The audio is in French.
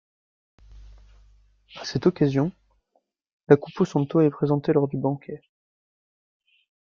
À cette occasion la Coupo Santo est présentée lors du banquet.